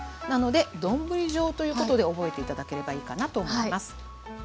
なので丼状ということで覚えて頂ければいいかなと思います。